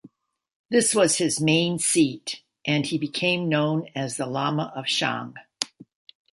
This was his main seat, and he became known as the Lama of Shang.